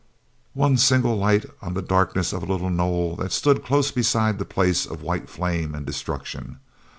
ne single light on the darkness of a little knoll that stood close beside this place of white flame and destruction.